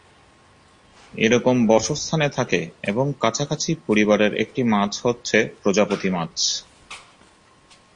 এরকম বাসস্থানে থাকে এবং কাছাকাছি পরিবারের একটি মাছ হচ্ছে প্রজাপতি মাছ।